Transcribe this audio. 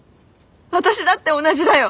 私だって同じだよ。